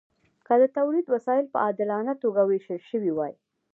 که د تولید وسایل په عادلانه توګه ویشل شوي وای.